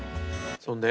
そんで？